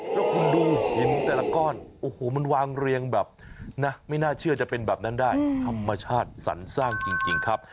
แล้วคุณดูหินแต่ละก้อนโอ้โหมันวางเรียงแบบนะไม่น่าเชื่อจะเป็นแบบนั้นได้ธรรมชาติสรรสร้างจริงครับ